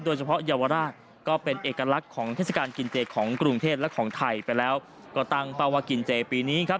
เยาวราชก็เป็นเอกลักษณ์ของเทศกาลกินเจของกรุงเทพและของไทยไปแล้วก็ตั้งเป้าว่ากินเจปีนี้ครับ